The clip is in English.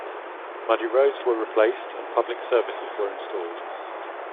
Muddy roads were replaced and public services were installed.